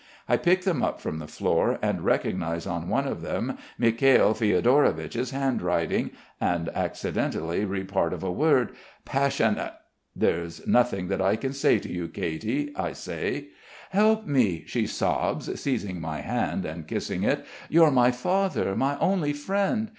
I pick them up from the floor and recognise on one of them Mikhail Fiodorovich's hand writing, and accidentally read part of a word: "passionat...." "There's nothing that I can say to you, Katy," I say. "Help me," she sobs, seizing my hand and kissing it. "You're my father, my only friend.